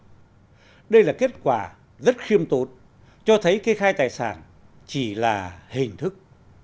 ngoài ra kết quả rất khiêm tốt cho thấy kê khai tài sản chỉ là hình thức